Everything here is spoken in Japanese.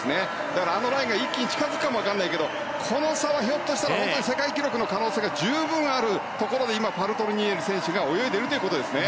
だからあのラインが一気に近付くかもわからないけどこの差はひょっとしたら世界記録の可能性が十分あるところで今パルトリニエリ選手が泳いでいるということですね。